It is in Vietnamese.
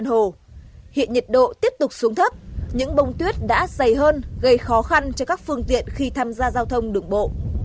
hiện nhiệt độ tiếp tục xuống thấp những bông tuyết đã dày hơn gây khó khăn cho các phương tiện khi tham gia giao thông đường bộ